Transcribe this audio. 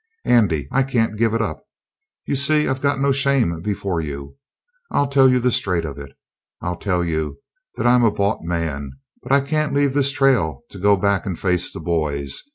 Andy, I can't give it up. You see, I've got no shame before you. I tell you the straight of it. I tell you that I'm a bought man. But I can't leave this trail to go back and face the boys.